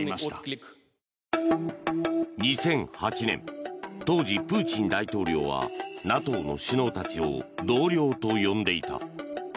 ２００８年当時、プーチン大統領はＮＡＴＯの首脳たちを同僚と呼んでいた。